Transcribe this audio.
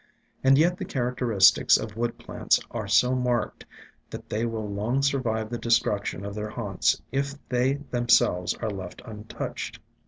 And yet the characteristics of wood plants are so marked that they will long sur G 98 IN SILENT WOODS vive the destruction of their haunts if they them selves are left untouched.